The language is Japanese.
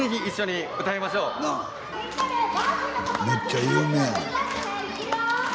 めっちゃ有名やねんて。